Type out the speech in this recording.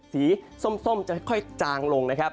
สีส้มจะค่อยจางลงนะครับ